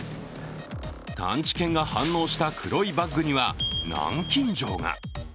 探知犬が反応した黒いバッグには南京錠が。